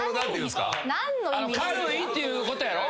軽いっていうことやろ？